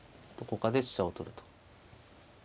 どこかで飛車を取ると。